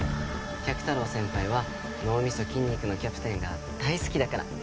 百太郎先輩は脳みそ筋肉のキャプテンが大好きだから。